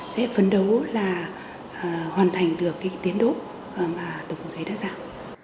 sẽ phấn đấu là hoàn thành được cái tiến đỗ mà tổng cục thế đã dạng